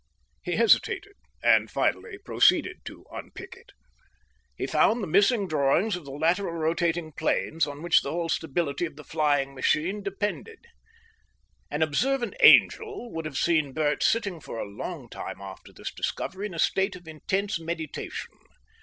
He hesitated, and finally proceeded to unpick it. He found the missing drawings of the lateral rotating planes, on which the whole stability of the flying machine depended. An observant angel would have seen Bert sitting for a long time after this discovery in a state of intense meditation.